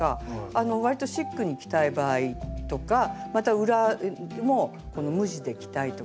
わりとシックに着たい場合とかまた裏もこの無地で着たいとかね